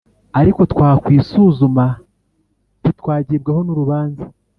Ariko twakwisuzuma, ntitwagibwaho n'urubanza.